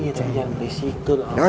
yang berisik itu